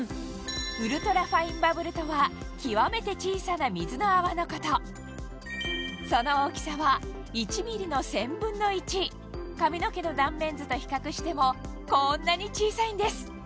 ウルトラファインバブルとは極めて小さな水の泡のことその大きさは髪の毛の断面図と比較してもこんなに小さいんです